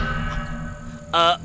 rumah sakitnya angker pak